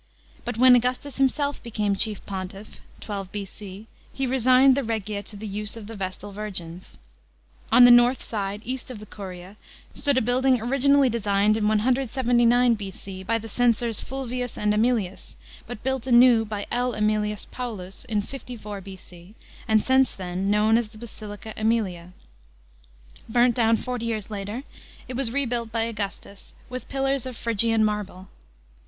But when Augustus himself became chitf pontiff (12 B.C.), he n si. ned the Reg'a to the use < f the vestal virgins. On the north side, east of the Cuiin, stood a building originally design«d in 179 B.C. by the cen ors Fulvius and JSmilius, but built anew by L. ^Einilius Paullus in 54 B.C. and since then known as the Basilica Emilia. Burnt down forty years later, it was rebuilt by Augustus, with pillars ot Phrygian marble.